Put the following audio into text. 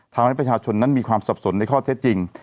ทำให้ประชาชนนั้นมีความสับสนในข้อเท็จจริง